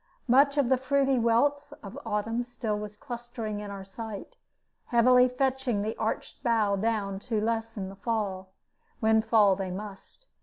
Much of the fruity wealth of autumn still was clustering in our sight, heavily fetching the arched bough down to lessen the fall, when fall they must.